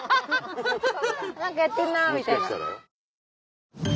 何かやってるなみたいな。